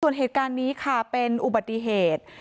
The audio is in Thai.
ส่วนเหตุการณ์นี้ค่ะเป็นอุบัติเหตุ